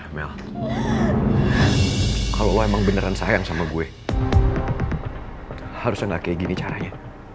mel kalau lo emang beneran sayang sama gue harusnya gak kayak gini caranya